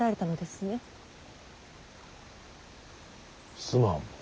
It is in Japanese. すまん。